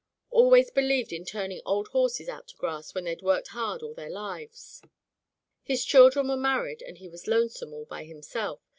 Always be lieved in turning old horses out to grass when they'd worked hard all their lives. His chil dren were married, and he was lonesome all by himself.